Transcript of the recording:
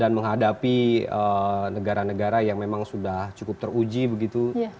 dan menghadapi negara negara yang memang sudah cukup teruji begitu